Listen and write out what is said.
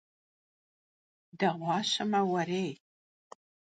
Değuaşeme vuerêy!